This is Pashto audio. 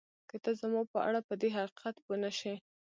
که ته زما په اړه پدې حقیقت پوه نه شې